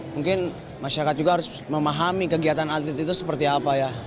mungkin masyarakat juga harus memahami kegiatan atlet itu seperti apa ya